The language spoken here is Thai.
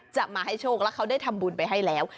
จะมาให้โชคแล้วเขาได้ทำบุญไปให้แล้ว